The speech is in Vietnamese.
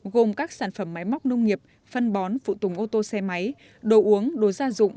gồm các sản phẩm máy móc nông nghiệp phân bón phụ tùng ô tô xe máy đồ uống đồ gia dụng